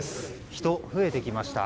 人が増えてきました。